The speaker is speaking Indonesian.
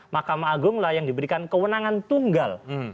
mahkamah agung lah yang diberikan kewenangan tunggal